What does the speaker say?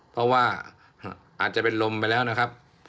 เพราะว่าอาจจะเป็นลมไปแล้วนะครับ